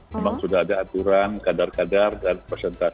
memang sudah ada aturan kadar kadar dan presentasi